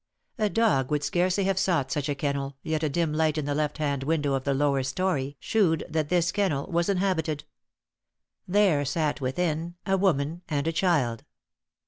A dog would scarcely have sought such a kennel, yet a dim light in the left hand window of the lower storey shewed that this kennel was inhabited. There sat within a woman and a child.